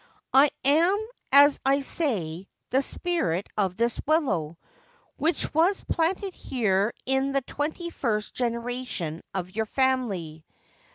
c I am, as I say, the spirit of this willow, which was planted here in the twenty first generation of your family.